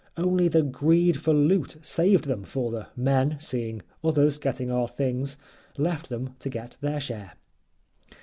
Only the greed for loot saved them, for the men seeing others getting our things left them to get their share.